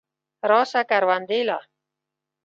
راسه کروندې له.